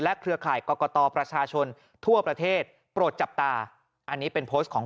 เครือข่ายกรกตประชาชนทั่วประเทศโปรดจับตาอันนี้เป็นโพสต์ของ